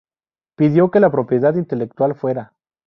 pidió que la propiedad intelectual fuera